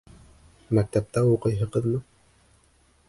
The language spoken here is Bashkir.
— Мәктәптә уҡыйһығыҙмы?